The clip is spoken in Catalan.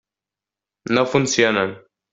No funciona.